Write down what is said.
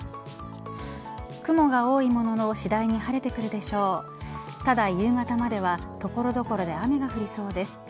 雲が多いものの次第に晴れてくるでしょうただ夕方までは所々で雨が降りそうです。